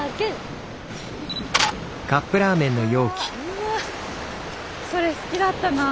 あそれ好きだったなあ。